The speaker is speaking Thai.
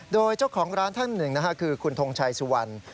โดยเจ้าของร้านท่านหนึ่งคือคุณทงชัยสุวรรณ